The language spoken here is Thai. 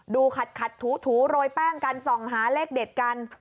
ดูขัดถูโรยแป้งกันส่องหาเลขเด็ดกัน